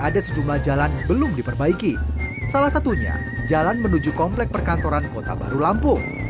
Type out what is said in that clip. ada sejumlah jalan belum diperbaiki salah satunya jalan menuju komplek perkantoran kota baru lampung